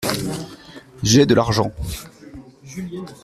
J’ai de l’argent.